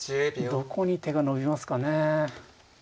どこに手が伸びますかね。